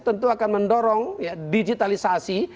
tentu akan mendorong digitalisasi